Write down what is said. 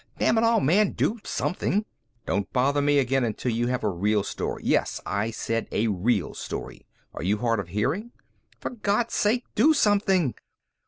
Damn it all, man, do something, and don't bother me again until you have a real story yes, I said a real story are you hard of hearing? For God's sake, do something!"